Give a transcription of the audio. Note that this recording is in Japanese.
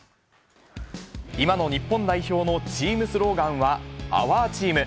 今の日本代表のチームスローガンはＯＵＲＴＥＡＭ。